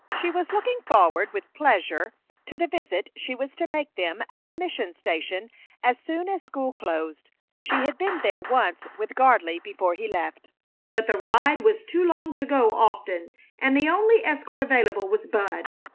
She was looking forward with pleasure to the visit she was to make them at the mission station as soon as school closed. She had been there once with Gardley before he left, but the ride was too long to go often, and the only escort available was Bud.